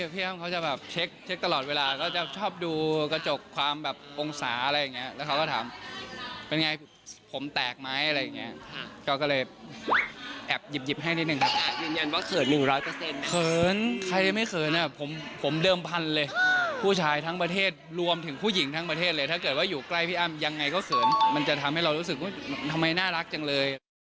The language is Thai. ขยับว่าอยู่ใกล้พี่อ้ำยังไงก็เผินมันทำให้รู้สึกน่ารักจังเลย